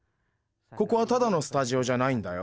ここはただのスタジオじゃないんだよ。